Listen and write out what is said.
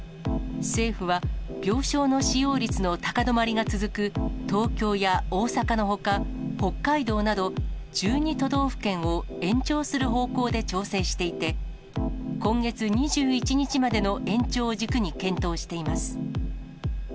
政府は病床の使用率の高止まりが続く、東京や大阪のほか、北海道など、１２都道府県を延長する方向で調整していて、今月２１日までの延長を軸に検討しています。